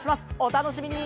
楽しみに。